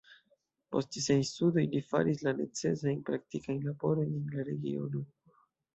Post siaj studoj li faris la necesajn praktikajn laborojn en la regiono.